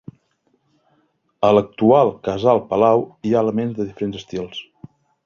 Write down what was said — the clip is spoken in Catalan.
A l'actual casal-palau hi ha elements de diferents estils.